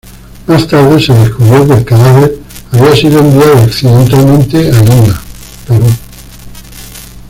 Más tarde se descubrió que el cadáver había sido enviado accidentalmente a Lima, Perú.